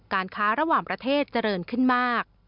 การค้าระหว่างประเทศเจริญขึ้นมาก